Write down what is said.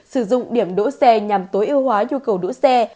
sử dụng điểm đỗ xe nhằm tối ưu hóa nhu cầu đỗ xe